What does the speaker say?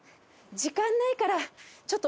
時間ないから。